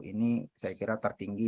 ini saya kira tertinggi